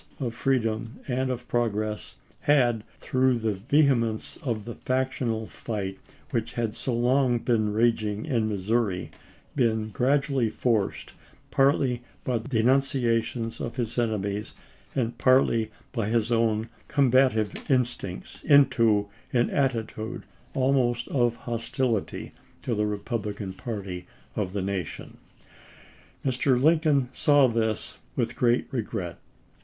of freedom and of progress, had, through the vehe mence of the factional fight which had so long been raging in Missouri, been gradually forced, partly by the denunciations of his enemies and partly by his own combative instincts, into an atti tude almost of hostility to the Eepublican party of the nation. Mr. Lincoln saw this with great regret.